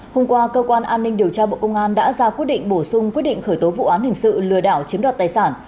hôm qua cơ quan an ninh điều tra bộ công an đã ra quyết định bổ sung quyết định khởi tố vụ án hình sự lừa đảo chiếm đoạt tài sản